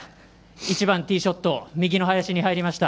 １番、ティーショット右の林に入りました。